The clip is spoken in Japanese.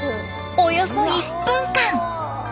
およそ１分間！